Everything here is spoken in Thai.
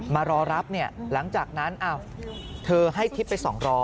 มารอรับเนี่ยหลังจากนั้นอ้าวเธอให้คลิปไป๒๐๐